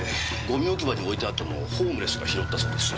ゴミ置き場に置いてあったものをホームレスが拾ったそうです。